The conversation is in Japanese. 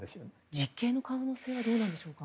実刑の可能性はどうなんでしょうか？